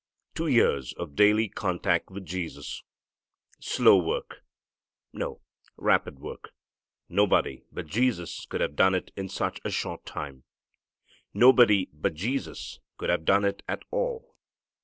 Two years of daily contact with Jesus. Slow work! No, rapid work. Nobody but Jesus could have done it in such a short time. Nobody but Jesus could have done it at all.